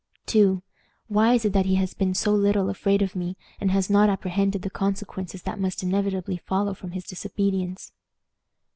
"II. Why is it that he has been so little afraid of me, and has not apprehended the consequences that must inevitably follow from his disobedience?